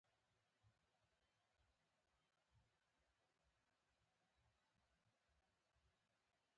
کله چې ټول خلک یو شان فکر کوي نو هېڅوک فکر نه کوي.